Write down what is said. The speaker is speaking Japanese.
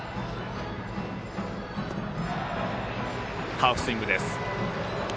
ハーフスイングです。